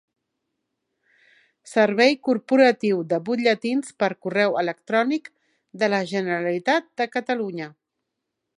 Servei corporatiu de butlletins per correu electrònic de la Generalitat de Catalunya.